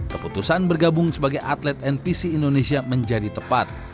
keputusan bergabung sebagai atlet npc indonesia menjadi tepat